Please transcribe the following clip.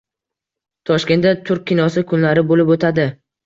Toshkentda “Turk kinosi kunlari” bo‘lib o‘tadi